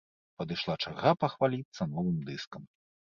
Падышла чарга пахваліцца новым дыскам.